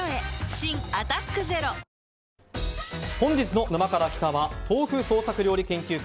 新「アタックＺＥＲＯ」本日の「沼から来た。」は豆腐創作料理研究家